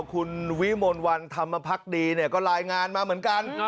คุณวิมลวันธรรมพักดีก็รายงานมาเหมือนกัน